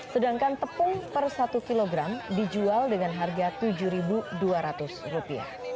sedangkan tepung per satu kg dijual dengan harga rp tujuh dua ratus